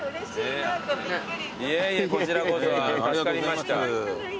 いえいえこちらこそ助かりました。